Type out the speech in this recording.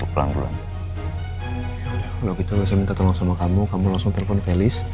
kalau gitu saya minta tolong sama kamu kamu langsung telepon ke elis